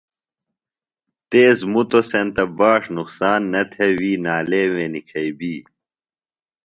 تیز مُتوۡ سینتہ باݜ نقصان نہ تھےۡ وی نالیمے نِکھئی بی۔